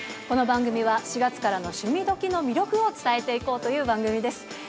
この番組は４月からの「趣味どきっ！」の魅力を伝えていこうという番組です。